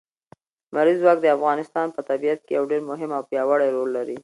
لمریز ځواک د افغانستان په طبیعت کې یو ډېر مهم او پیاوړی رول لري.